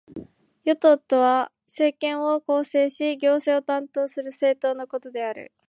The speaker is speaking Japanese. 与党とは、政権を構成し行政を担当する政党のことである。